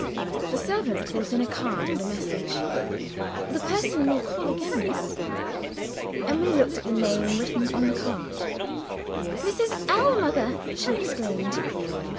The servant brought in a card and a message. "The person will call again, miss." Emily looked at the name written on the card. "Mrs. Ellmother!" she exclaimed.